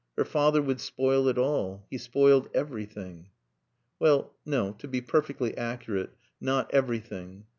Her father would spoil it all. He spoiled everything. Well, no, to be perfectly accurate, not everything.